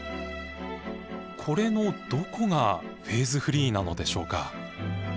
これのどこがフェーズフリーなのでしょうか？